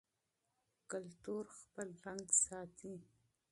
کلتور خپل رنګ ساتي.